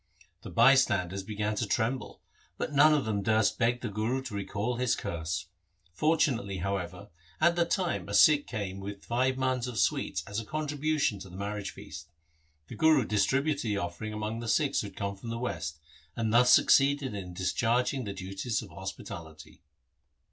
The bystanders began to tremble, but none of them durst beg the Guru to recall his curse. Fortunately, however, at that time a Sikh came with five mans of sweets as a contribution to the marriage feast. The Guru distributed the offer ing among the Sikhs who had come from the West, and thus succeeded in discharging the duties of hos pitality.